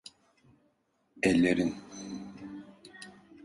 Ellerin…